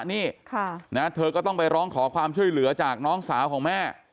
นี่เธอก็ต้องไปร้องขอความช่วยเหลือจากน้องสาวของแม่